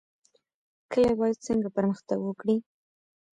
کلي باید څنګه پرمختګ وکړي؟